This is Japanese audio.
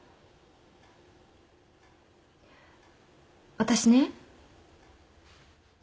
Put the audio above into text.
私ね。